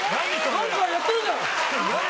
何かやってるじゃん！